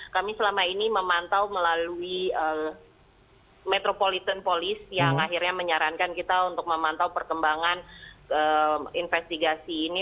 kami selama ini memantau melalui metropolitan polis yang akhirnya menyarankan kita untuk memantau perkembangan investigasi ini